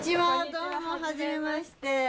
どうもはじめまして。